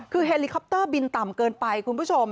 คือเฮลิคอปเตอร์บินต่ำเกินไปคุณผู้ชม